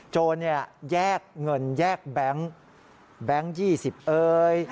โจรแยกเงินแยกแบงค์๒๐เอ๋ย